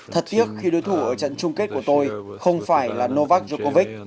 thật tiếc khi đối thủ ở trận chung kết của tôi không phải là novak jovi